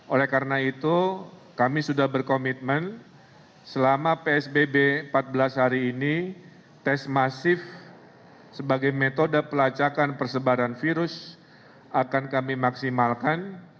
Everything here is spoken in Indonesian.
oleh karena itu kami sudah berkomitmen selama psbb empat belas hari ini tes masif sebagai metode pelacakan persebaran virus akan kami maksimalkan